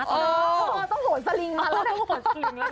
อ๋อต้องโหดสลิงก์มาแล้วต้องโหดสลิงก์แล้วนะ